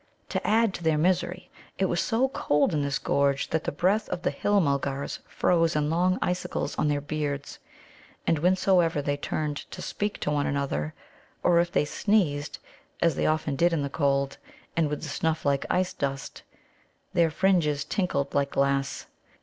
To add to their misery, it was so cold in this gorge that the breath of the Hill mulgars froze in long icicles on their beards, and whensoever they turned to speak to one another, or if they sneezed (as they often did in the cold, and with the snuff like ice dust), their fringes tinkled like glass.